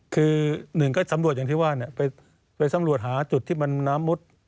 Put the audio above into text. คือหนึ่งก็สำรวจอย่างที่ว่าไปสำรวจหาจุดที่มันน้ำมุด